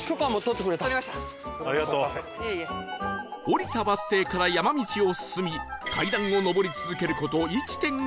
降りたバス停から山道を進み階段を上り続ける事 １．５ キロ